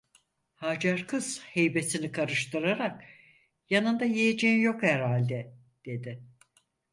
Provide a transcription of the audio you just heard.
Hacer kız heybesini karıştırarak: "Yanında yiyeceğin yok herhalde!" dedi.